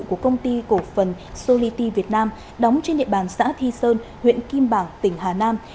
của công ty cổ phần solity việt nam đóng trên địa bàn xã thi sơn huyện kim bảng tỉnh hà nam